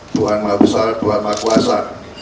tuhan maha besar tuhan maha kuasa